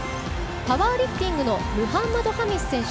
パワーリフティングのムハンマドハミス選手